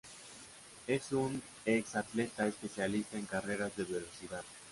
Es un ex-atleta especialista en carreras de velocidad.